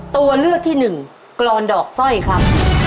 ตัวเลือกที่หนึ่งกรอนดอกสร้อยครับ